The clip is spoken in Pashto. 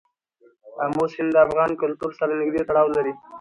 آمو سیند د افغان کلتور سره نږدې تړاو لري.